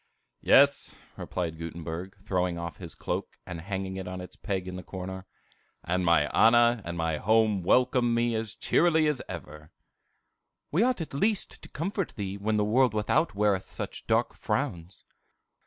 "Yes," replied Gutenberg, throwing off his cloak, and hanging it on its peg in the corner, "and my Anna and my home welcome me as cheerily as ever." "We at least ought to comfort thee when the world without weareth such dark frowns."